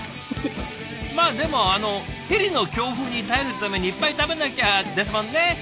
まあでもあのヘリの強風に耐えるためにいっぱい食べなきゃですもんね。